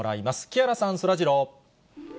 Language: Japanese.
木原さん、そらジロー。